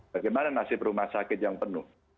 bagaimana nasib rumah sakit yang penuh